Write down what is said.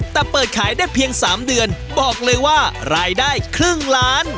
แต่เปิดขายได้เพียง๓เดือนบอกเลยว่ารายได้ครึ่งล้าน